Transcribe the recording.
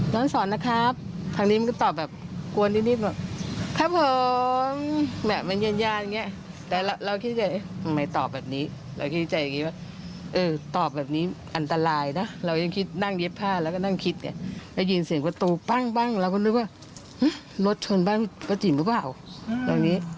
ไม่คิดเนี่ยเธอยินเสียงเวิร์ดตีปั้งแล้วรู้ไหมว่ารถชนแล้วมาก